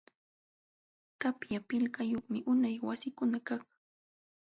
Tapya pilqayumi unay wasikunakaq.